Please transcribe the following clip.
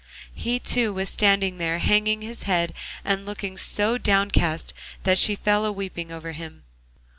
He too was standing there hanging his head, and looking so downcast that she fell a weeping over him.